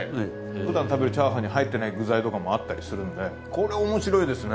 普段食べるチャーハンに入ってない具材とかもあったりするのでこれ面白いですね！